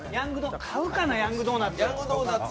買うかな、ヤングドーナツ。